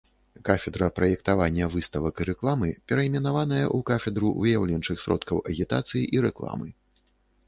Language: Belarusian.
Кафедра праектавання выставак і рэкламы перайменаваная ў кафедру выяўленчых сродкаў агітацыі і рэкламы.